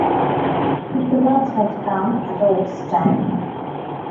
You couldn't have come at a worse time.